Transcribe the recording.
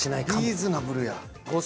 リーズナブルや。